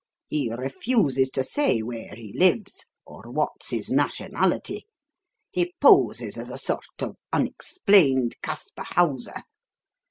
He refuses to say where he lives or what's his nationality. He poses as a sort of unexplained Caspar Hauser.